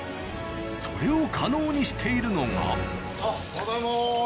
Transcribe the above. それを可能にしているのが。